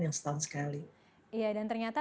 yang setahun sekali iya dan ternyata